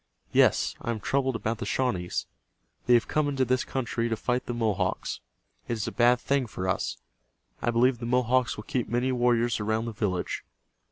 Yes, I am troubled about the Shawnees. They have come into this country to fight the Mohawks. It is a bad thing for us. I believe the Mohawks will keep many warriors around the village.